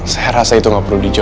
saya rasa itu nggak perlu dijawab